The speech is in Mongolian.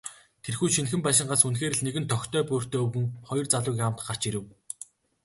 Тэрхүү шинэхэн байшингаас үнэхээр л нэгэн тохитой буурьтай өвгөн, хоёр залуугийн хамт гарч ирэв.